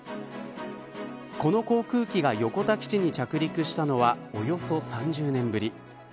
この航空機が横田基地に着陸したのはおよそ３０年ぶり。